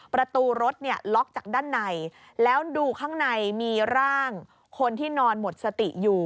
ประตูรถเนี่ยล็อกจากด้านในแล้วดูข้างในมีร่างคนที่นอนหมดสติอยู่